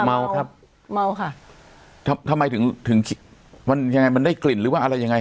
เมาครับเมาค่ะทำไมถึงถึงมันยังไงมันได้กลิ่นหรือว่าอะไรยังไง